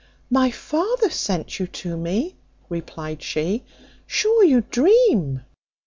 "My father sent you to me!" replied she: "sure you dream."